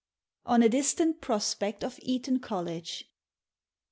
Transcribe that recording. ON A DISTANT PKOSI'KCT OF ETON COLLEGE.